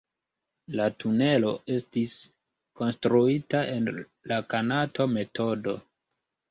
La tunelo estis konstruita en la Kanato-metodo.